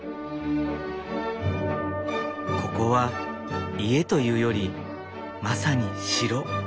ここは家というよりまさに城。